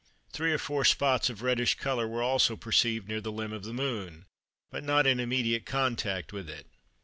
Three or four spots of reddish colour were also perceived near the limb of the Moon, but not in immediate contact with it.